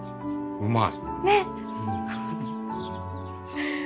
うまい。